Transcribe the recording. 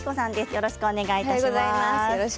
よろしくお願いします。